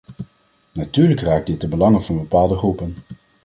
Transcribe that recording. Natuurlijk raakt dit de belangen van bepaalde groepen.